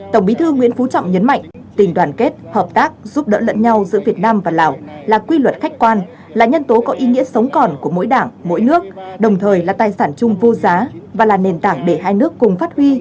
tổng bí thư nguyễn phú trọng nhấn mạnh tình đoàn kết hợp tác giúp đỡ lẫn nhau giữa việt nam và lào là quy luật khách quan là nhân tố có ý nghĩa sống còn của mỗi đảng mỗi nước đồng thời là tài sản chung vô giá và là nền tảng để hai nước cùng phát huy